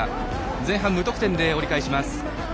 前半、無得点で折り返します。